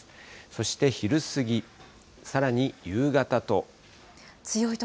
そして昼過ぎ、さらに夕方と。